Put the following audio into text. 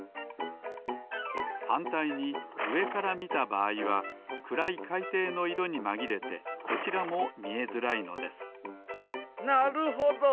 はんたいにうえからみたばあいはくらいかいていの色にまぎれてこちらもみえづらいのですなるほど！